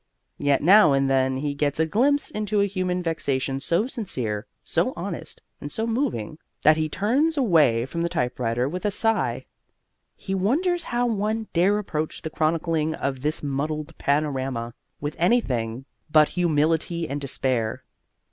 Yet now and then he gets a glimpse into a human vexation so sincere, so honest, and so moving that he turns away from the typewriter with a sigh. He wonders how one dare approach the chronicling of this muddled panorama with anything but humility and despair.